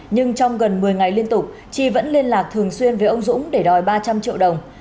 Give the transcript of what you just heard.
nhưng trong gần một mươi ngày liên tục chi vẫn liên lạc thường xuyên với ông dũng để đòi ba trăm linh triệu đồng